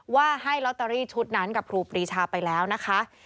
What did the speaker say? ว่าให้ลอตเตอรี่ชุดนั้นกับครูปรีชาไปแล้วนะคะ